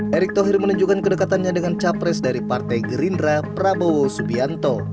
hai eric tohir menunjukkan kedekatannya dengan capres dari partai gerindra prabowo subianto